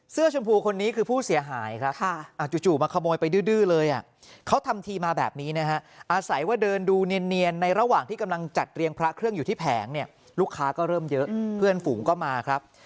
เสื้อชมพูคนนี้คือผู้เสียหายครับค่ะอ่าจู่จู่มาขโมยไปดื้อดื้อเลยอ่ะ